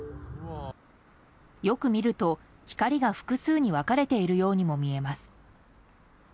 よく見ると光が複数に分かれているようにも見えます。